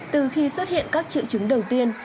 từ khi xuất hiện các triệu chứng đầu tiên